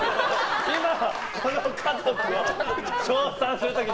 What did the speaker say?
今はこの家族を称賛する時で。